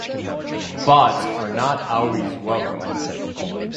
Bots are not always welcome.